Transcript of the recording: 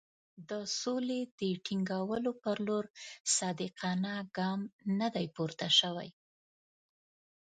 د سولې د ټینګولو پر لور صادقانه ګام نه دی پورته شوی.